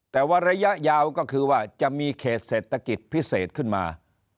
แต่ว่าระยะยาวก็คือว่าจะมีเขตเศรษฐกิจพิเศษขึ้นมา